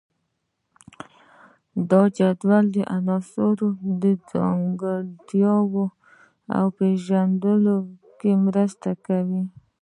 دا جدول د عناصرو د ځانګړتیاوو په پیژندلو کې مرسته کوي.